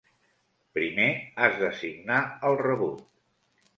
Primer has de signar el rebut.